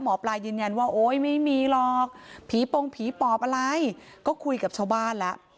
หมอปลายืนยันว่าโอ๊ยไม่มีหรอกผีปงผีปอบอะไรก็คุยกับชาวบ้านแล้ว